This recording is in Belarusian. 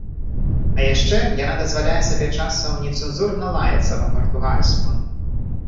А яшчэ яна дазваляе сабе часам нецэнзурна лаяцца па-партугальску.